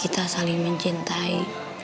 kita saling mencintai